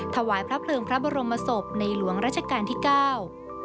ถวายพระเพลิงพระบรมศพในหลวงราชการที่เก้า